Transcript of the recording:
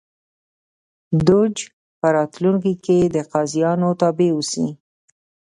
دوج په راتلونکي کې د قاضیانو تابع اوسي.